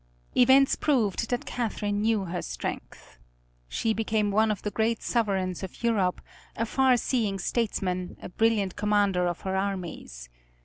Events proved that Catherine knew her strength. She became one of the great sovereigns of Europe, a far seeing statesman, a brilliant commander of her armies.